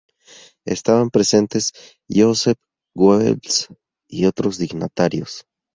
Estaban presentes Joseph Goebbels y otros dignatarios.